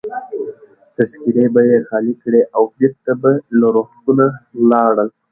تذکیرې به يې خالي کړې او بیرته به له روغتونه ولاړل.